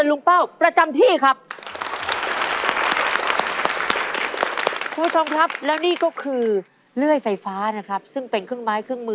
สามสามห้าสิบอู้ว